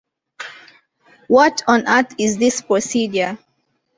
What on Earth is this procedure?